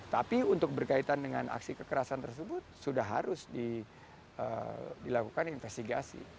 tapi untuk berkaitan dengan aksi kekerasan tersebut sudah harus dilakukan investigasi